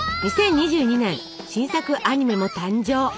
２０２２年新作アニメも誕生。